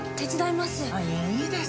いいです。